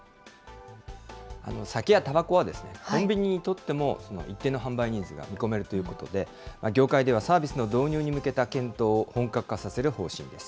酒やたばこはコンビニにとっても、一定の販売ニーズが見込まれるということで、業界ではサービスの導入に向けた検討を本格化させる方針です。